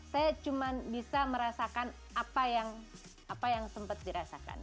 saya cuma bisa merasakan apa yang sempat dirasakan